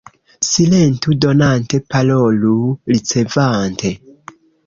Silentu donante, parolu ricevante.